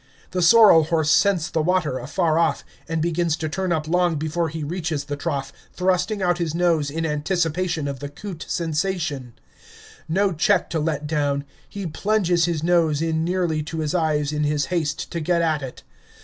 The sorrel horse scents the water afar off, and begins to turn up long before he reaches the trough, thrusting out his nose in anticipation of the coot sensation. No check to let down; he plunges his nose in nearly to his eyes in his haste to get at it.